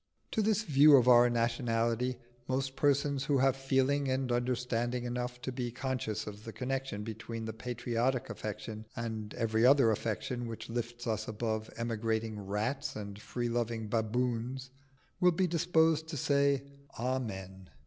To this view of our nationality most persons who have feeling and understanding enough to be conscious of the connection between the patriotic affection and every other affection which lifts us above emigrating rats and free loving baboons, will be disposed to say Amen.